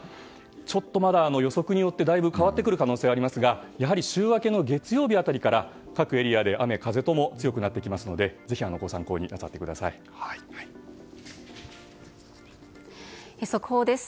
ちょっと予測によってだいぶ変わってくる可能性がありますがやはり週明けの月曜日辺りから各エリアで雨、風とも強くなってきますので速報です。